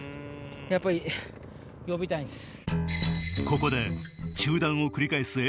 やっぱり呼びたいんす。